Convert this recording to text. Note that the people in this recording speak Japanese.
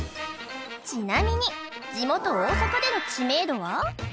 ちなみに地元大阪での知名度は？